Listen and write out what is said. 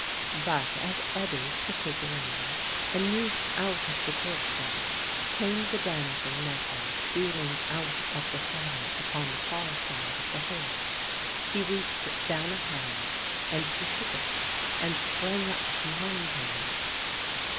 But as Ebbe shook his rein, and moved out of the torchlight, came the damsel Mette stealing out of the shadow upon the far side of the horse. He reached down a hand, and she took it, and sprang up behind him.